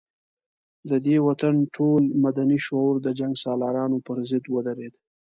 د دې وطن ټول مدني شعور د جنګ سالارانو پر ضد ودرېد.